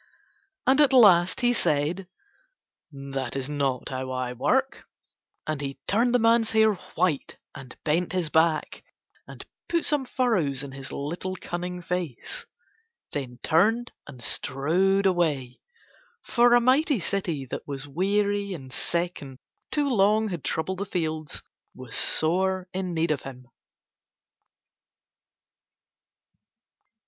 And at last he said: "That is not how I work," and he turned the man's hair white and bent his back and put some furrows in his little cunning face; then turned and strode away, for a mighty city that was weary and sick and too long had troubled the fields was sore in need of him.